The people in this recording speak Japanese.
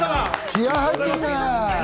気合い入ってるね。